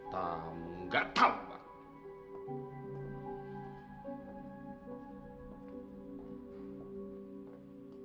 tamu gak tamu mas